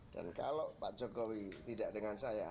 dan kalau pak jokowi tidak dengan saya